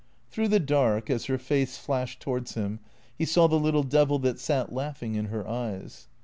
Through the dark, as her face flashed towards him, he saw the little devil that sat laughing in her eyes.